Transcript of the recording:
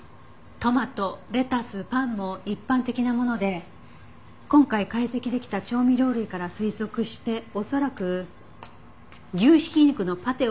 トマトレタスパンも一般的なもので今回解析できた調味料類から推測して恐らく牛挽き肉のパテを挟んだハンバーガーを食べたようです。